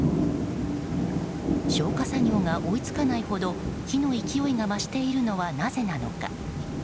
消火作業が追い付かないほど火の勢いが増しているのはなぜなのか。